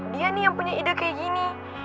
dia nih yang punya ide kayak gini